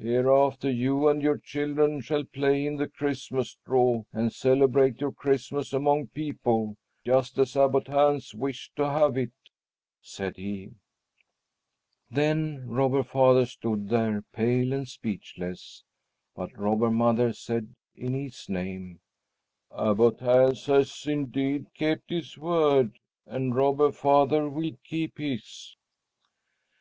"Hereafter you and your children shall play in the Christmas straw and celebrate your Christmas among people, just as Abbot Hans wished to have it," said he. Then Robber Father stood there pale and speechless, but Robber Mother said in his name, "Abbot Hans has indeed kept his word, and Robber Father will keep his."